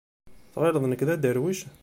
Tɣileḍ nekk d adaṛwiḍ?